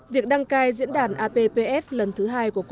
việc đăng cai diễn đàn appf lần thứ hai của hội nghị